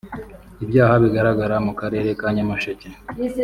Ibyaha bigaragara mu karere ka Nyamasheke